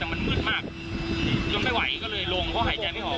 มันมืดมากจนไม่ไหวก็เลยลงเพราะหายใจไม่ออก